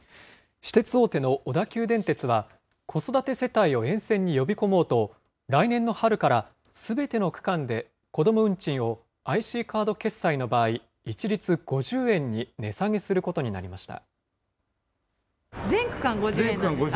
私鉄大手の小田急電鉄は、子育て世帯を沿線に呼び込もうと、来年の春から、すべての区間で子ども運賃をＩＣカード決済の場合、一律５０円に値下げすることになりました。